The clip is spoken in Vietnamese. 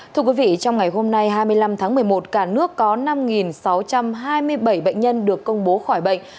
thưa quý vị trong ngày hôm nay hai mươi năm tháng một mươi một cả nước có năm sáu trăm hai mươi bảy bệnh nhân được công bố khỏi bệnh